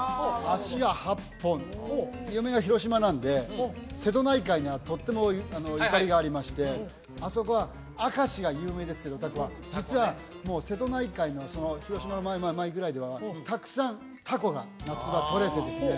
あしが８本嫁が広島なんで瀬戸内海にはとってもゆかりがありましてあそこは明石が有名ですけどタコは実は瀬戸内海の広島の前ぐらいではたくさんタコが夏場とれてですね